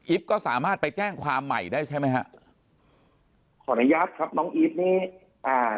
ก็สามารถไปแจ้งความใหม่ได้ใช่ไหมฮะขออนุญาตครับน้องอีฟนี้อ่า